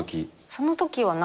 そのときはない。